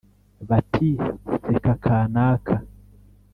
Bati seka kaanaka